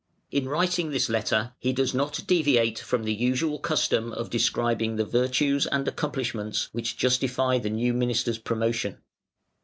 In writing this letter, he does not deviate from the usual custom of describing the virtues and accomplishments which justify the new minister's promotion.